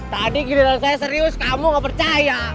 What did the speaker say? tadi giliran saya serius kamu gak percaya